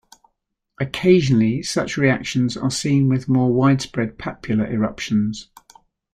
Occasionally such reactions are seen with more widespread papular eruptions.